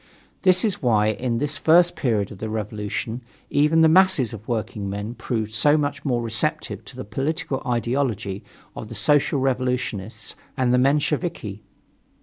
This is why in this first period of the revolution even the masses of workingmen proved so much more receptive to the political ideology of the Social Revolutionists and the Mensheviki.